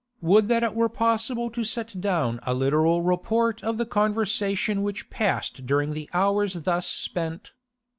Would that it were possible to set down a literal report of the conversation which passed during hours thus spent!